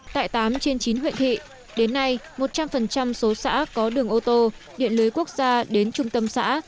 tại tám trên chín huyện thị đến nay một trăm linh số xã có đường ô tô điện lưới quốc gia đến trung tâm xã